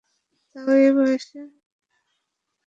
তাও, এই বয়সে।